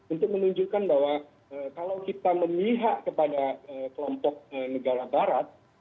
untuk menunjukkan bahwa kalau kita memihak kepada kelompok negara barat